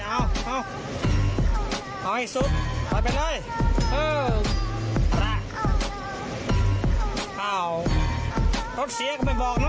เอาเอาเอาให้สุดถอยไปเลยเอออาระอ้าวก็เสียก็ไม่บอกน่ะ